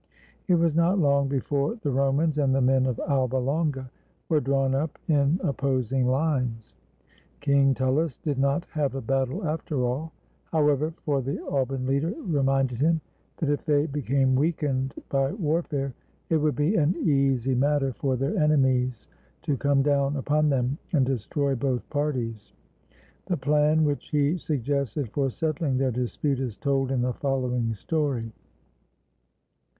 It was not long before the Romans and the men of Alba Longa were drawn up in opposing lines. King Tullus did not have a battle after all, however, for the Alban leader reminded him that if they became weakened by warfare, it would be an easy matter for their enemies to come down upon them and destroy both parties. The plan which he suggested for settling their dispute is told in the following story.